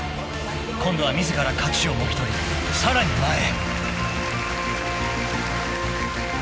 ［今度は自ら勝ちをもぎ取りさらに前へ］